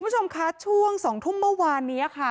คุณผู้ชมคะช่วง๒ทุ่มเมื่อวานนี้ค่ะ